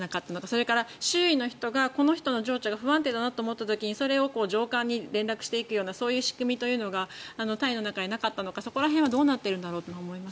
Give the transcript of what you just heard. それから、周囲の人がこの人の情緒が不安定だなとなった時に上官に連絡するような仕組みが隊の中になかったのかその辺はどうなっているんだろうと思いました。